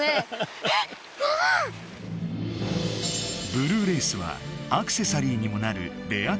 ブルーレースはアクセサリーにもなるレア鉱物。